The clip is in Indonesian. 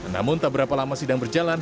namun tak berapa lama sidang berjalan